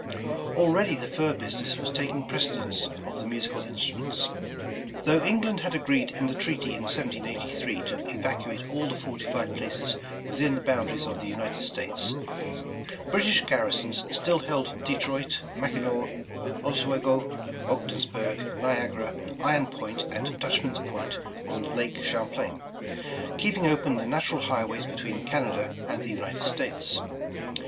— Already the fur business was taking precedence of the musical instruments. Though England had agreed in the treaty in 1783 to evacuate all the fortified places within the boun daries of the United States, British garrisons still held 83 The Original John Jacob Astor Detroit, Mackinaw, Oswego, Ogdensburg, Niagara, Iron Point and Dutchman's Point on Lake Champlain, keep ing open the natural highways between Canada and the United States.